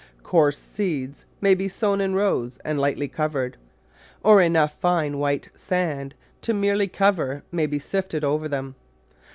Coarse seeds may be sown in rows and lightly cov ered, or enough fine white sand to merely cover may be sifted over them.